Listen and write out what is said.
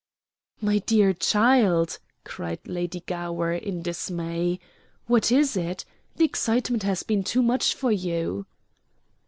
"My dear child!" cried Lady Gower, in dismay. "What is it? The excitement has been too much for you."